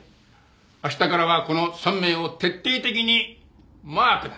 明日からはこの３名を徹底的にマークだ。